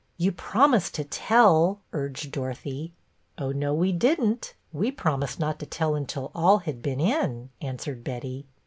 "You promised to tell," urged Dorothy. " Oh, no, we did n't. We promised not to tell until all had been in," answered Betty.